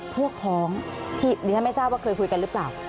พวกพ้องที่เดี๋ยวไม่ทราบว่าเคยคุยกันรึเปล่า